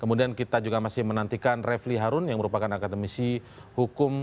kemudian kita juga masih menantikan refli harun yang merupakan akademisi hukum